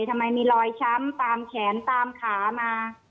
ทำไมมีรอยช้ำตามแขนตามขามา